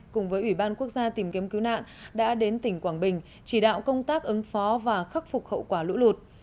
cùng với ủy ban quốc gia tìm kiếm cứu nạn đã đến tỉnh quảng bình chỉ đạo công tác ứng phó và khắc phục hậu quả lũ lụt